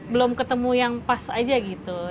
belum ketemu yang pas aja gitu